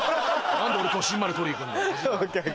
何で俺都心まで取りに行くんだよ。